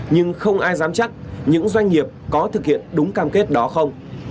nhưng không ai dám chắc những doanh nghiệp có thực hiện đúng cam kết đó không